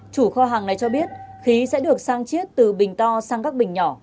chủ kho hàng này cho biết khí sẽ được sang chiết từ bình to sang các bình nhỏ